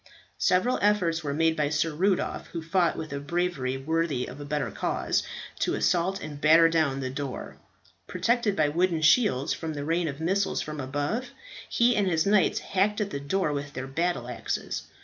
Several efforts were made by Sir Rudolph, who fought with a bravery worthy of a better cause, to assault and batter down the door. Protected by wooden shields from the rain of missiles from above, he and his knights hacked at the door with their battle axes.